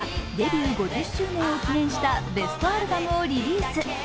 １０月にはデビュー５０周年を記念したベストアルバムをリリース。